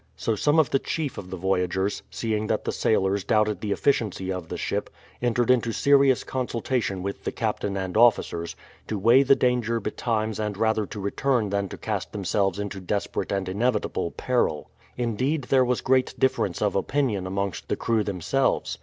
So some of the chief of the voyagers, seeing that the sailors doubted the efficiency 62 THE PLYMOUTH SETTLEIVIENT 63 of the ship, entered into serious consultation with the cap tain and officers, to weigh the danger betimes and rather to return than to cast themselves into desperate and inevitable peril. Indeed there was great difference of opinion amongst the crew themselves.